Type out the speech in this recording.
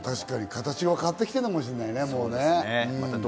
形は変わってきているかもしれませんね。